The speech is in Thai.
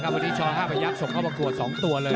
วันนี้ช๕พยักษ์ส่งเข้าประกวด๒ตัวเลย